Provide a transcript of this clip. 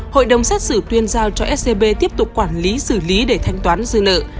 hội đồng xét xử tuyên giao cho scb tiếp tục quản lý xử lý để thanh toán dư nợ